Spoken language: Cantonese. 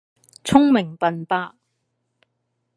聰明笨伯